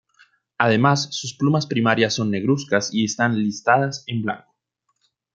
Además sus plumas primarias son negruzcas y están listadas en blanco.